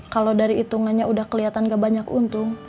kalau dari itungannya udah kelihatan nggak banyak untung